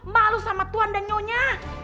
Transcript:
malu sama tuhan dan nyonya